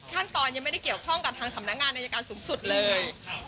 ขั้นตอนยังไม่ได้เกี่ยวข้องกับทางสำนักงานอายการสูงสุดเลย